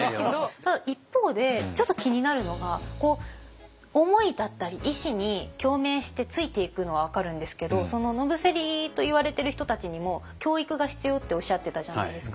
ただ一方でちょっと気になるのが思いだったり意志に共鳴してついていくのは分かるんですけど野伏といわれてる人たちにも教育が必要っておっしゃってたじゃないですか。